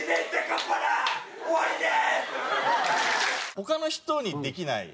他の人にできない。